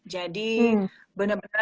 jadi benar benar kayak